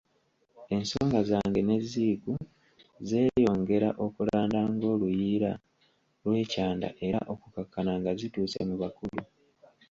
Ensonga zange ne Ziiku zeeyongera okulanda ng'oluyiira lw'ekyanda era okukkakkana nga zituuse mu bakulu.